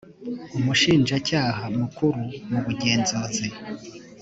umushinjacyaha mukuru mu bagenzuzi